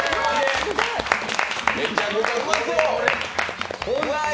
めちゃくちゃうまそう！